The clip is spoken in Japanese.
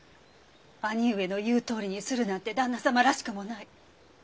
兄上の言うとおりにするなんて旦那様らしくもない。